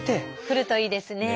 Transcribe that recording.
来るといいですね